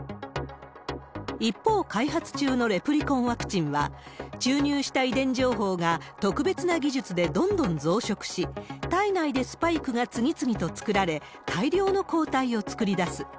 一方、開発中のレプリコンワクチンは、注入した遺伝情報が特別な技術でどんどん増殖し、体内でスパイクが次々と作られ、大量の抗体を作り出す。